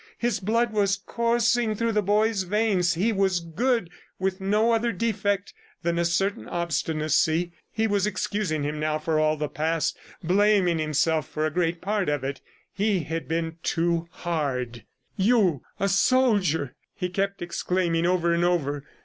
His blood was coursing through the boy's veins; he was good, with no other defect than a certain obstinacy. He was excusing him now for all the past, blaming himself for a great part of it. He had been too hard. "You a soldier!" he kept exclaiming over and over.